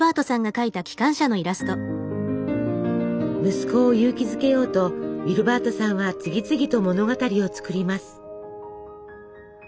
息子を勇気づけようとウィルバートさんは次々と物語を作ります。